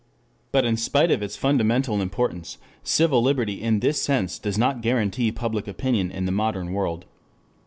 ] But in spite of its fundamental importance, civil liberty in this sense does not guarantee public opinion in the modern world.